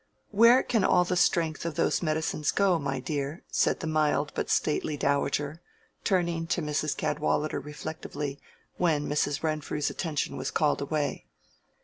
"Where can all the strength of those medicines go, my dear?" said the mild but stately dowager, turning to Mrs. Cadwallader reflectively, when Mrs. Renfrew's attention was called away.